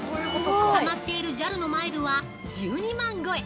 たまっているＪＡＬのマイルは１２万超え！